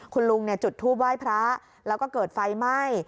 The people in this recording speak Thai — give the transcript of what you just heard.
คุณลุงจุดทูปไหว้พระแล้วก็เกิดไฟไหม้